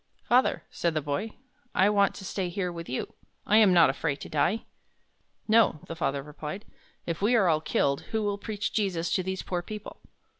"Father," said the boy, "I want to stay here with you. I am not afraid to die." "No," the father replied. "If we are all killed, who will preach Jesus to these poor people?"